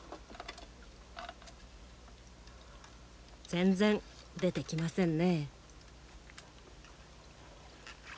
全然出てきませんね。